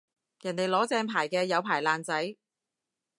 人哋攞正牌嘅有牌爛仔